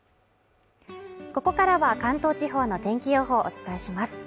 ここからは関東地方の天気予報をお伝えします